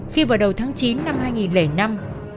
khi vào đầu tháng chín năm hai nghìn năm